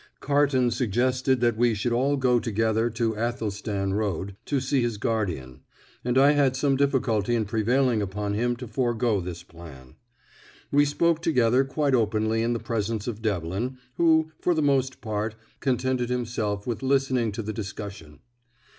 Carton suggested that we should all go together to Athelstan Road to see his guardian, and I had some difficulty in prevailing upon him to forego this plan. We spoke together quite openly in the presence of Devlin, who, for the most part, contented himself with listening to the discussion.